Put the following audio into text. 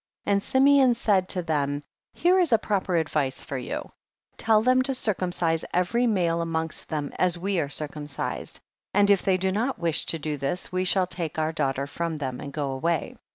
37. And Simeon said to them, here is a proper advice for you ; tell them to circumcise every male amongst them as we are circumcis ed, and if they do not wish to do this, we shall take our daughter from them and go away.